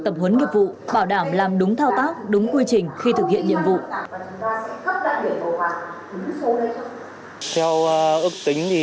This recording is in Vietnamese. thực hiện nhiệm vụ bảo đảm làm đúng thao tác đúng quy trình khi thực hiện nhiệm vụ theo ước tính thì